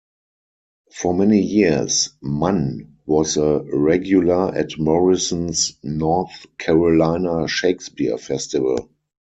For many years Mann was a regular at Morrison's North Carolina Shakespeare Festival.